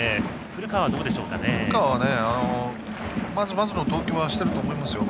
古川はまずまずの投球はしていると思いますよ。